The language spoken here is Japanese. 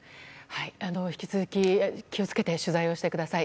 引き続き気を付けて取材をしてください。